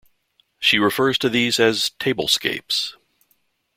She refers to these as "tablescapes".